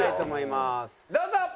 どうぞ！